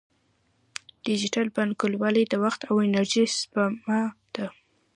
ډیجیټل بانکوالي د وخت او انرژۍ سپما ده.